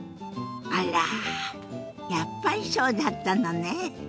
あらやっぱりそうだったのね。